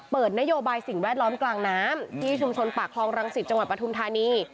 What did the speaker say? เปิดนโยบายสิ่งแวดล้อมกลางน้ำที่ชุมชนปากคลองรังสิตจังหวัดปทุมธานี